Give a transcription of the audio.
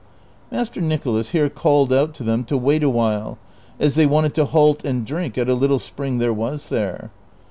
Master Nicholas here called out to them to wait a Avhile, as they wanted to halt and drink at a little spring there was there.